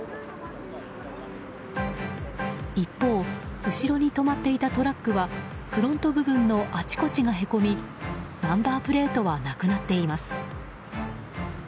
一方、後ろに止まっていたトラックはフロント部分のあちこちがへこみナンバープレートはなくなっています。